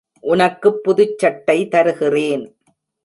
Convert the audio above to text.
உனக்குப் புதுச்சட்டை தருகிறேன்.